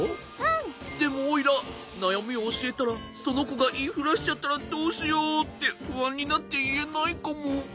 でもおいらなやみをおしえたらそのこがいいふらしちゃったらどうしようってふあんになっていえないかも。